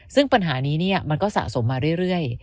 ซึ่งปัญหานี้มันก็สะสมมาเรื่อย